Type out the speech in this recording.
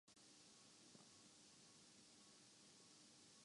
کے آغاز پر ایک بورڈ نصب ہے